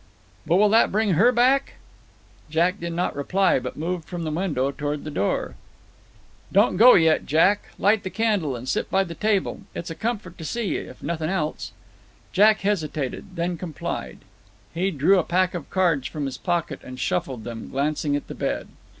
"But will that bring HER back?" Jack did not reply, but moved from the window toward the door. "Don't go yet, Jack; light the candle, and sit by the table. It's a comfort to see ye, if nothin' else." Jack hesitated, and then complied. He drew a pack of cards from his pocket and shuffled them, glancing at the bed.